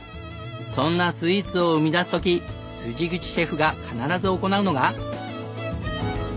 そんなスイーツを生み出す時口シェフが必ず行うのが。